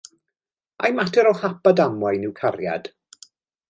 Ai mater o hap a damwain yw cariad?